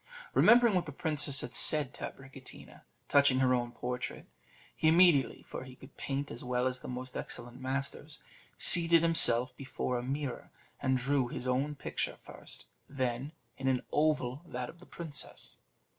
Remembering what the princess had said to Abricotina touching her own portrait, he immediately (for he could paint as well as the most excellent masters) seated himself before a mirror, and drew his own picture first; then, in an oval, that of the princess.